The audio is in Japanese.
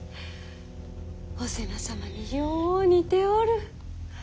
お瀬名様によう似ておる。